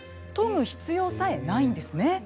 とぐ必要さえないんですね。